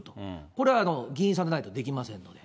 これは議員さんでないとできませんので。